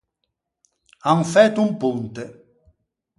An fæto un ponte.